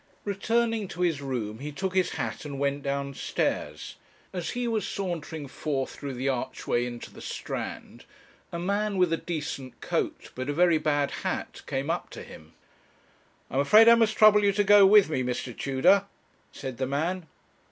Returning to his room, he took his hat and went downstairs. As he was sauntering forth through the archway into the Strand, a man with a decent coat but a very bad hat came up to him. 'I'm afraid I must trouble you to go with me, Mr. Tudor,' said the man.